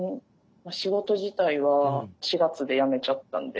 仕事自体は４月で辞めちゃったんで。